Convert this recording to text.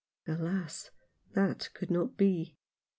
Alas! that could not be.